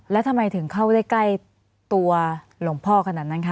แล้วทำไมถึงเข้าได้ใกล้ตัวหลวงพ่อขนาดนั้นคะ